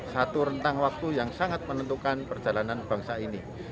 satu rentang waktu yang sangat menentukan perjalanan bangsa ini